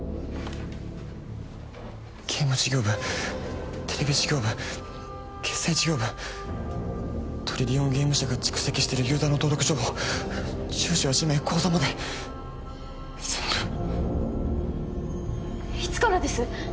ゲーム事業部テレビ事業部決済事業部トリリオンゲーム社が蓄積してるユーザーの登録情報住所や氏名口座まで全部いつからです！？